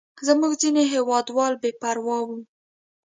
زموږ ځینې هېوادوال بې پروا وو.